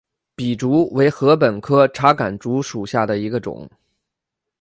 笔竹为禾本科茶秆竹属下的一个种。